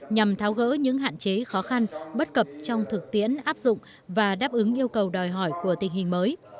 nhằm tháo gỡ những hạn chế khó khăn bất cập trong thực tiễn áp dụng và đáp ứng yêu cầu đòi hỏi của tình hình mới